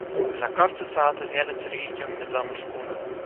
ביז אַ קורצער צייט איז יענער צוריקגעקומען מיט זיין מסקנא